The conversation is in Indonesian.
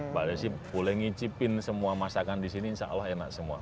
mbak desi boleh ngicipin semua masakan di sini insya allah enak semua